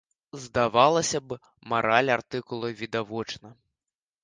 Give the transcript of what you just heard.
Здавалася б мараль артыкулу відавочна.